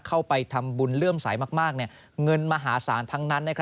เข้าไปทำบุญเลื่อมสายมากเงินมหาศาลทั้งนั้น